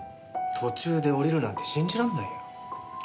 途中で降りるなんて信じらんないよ。